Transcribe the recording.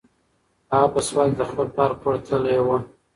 هغه په سوات کې د خپل پلار کور ته تللې وه.